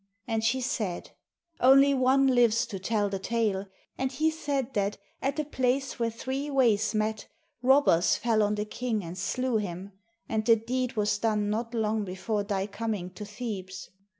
And 10 THE STORY OF OEDIPUS she said, '* One only lives to tell the tale, and he said that, at a place where three ways met, robbers fell on the king and slew him; and the deed was done not long before thy coming to Thebes."